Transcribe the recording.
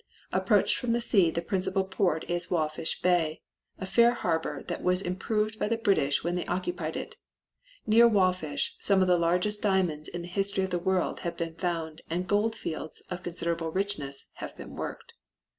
Approached from the sea the principal port is Walfish Bay, a fair harbor that was improved by the British when they occupied it. Near Walfish some of the largest diamonds in the history of the world have been found and gold fields of considerable richness have been worked.